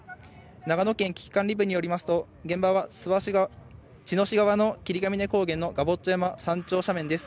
長野県危機管理部によりますと、現場は茅野市側の霧ヶ峰高原のガボッチョ山山頂斜面です。